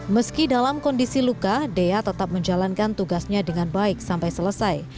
meski dalam kondisi luka dea tetap menjalankan tugasnya dengan baik sampai selesai